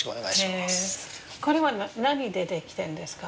これは何で出来てんですか？